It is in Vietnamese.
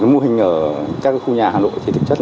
mô hình ở các khu nhà hà nội thì thực chất là